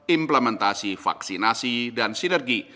implementasi vaksinasi dan sinergi